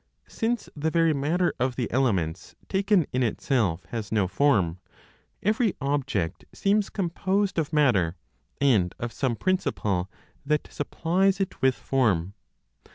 Since the very matter of the elements, taken in itself, has no form, every object seems composed of matter and of some principle that supplies it with form.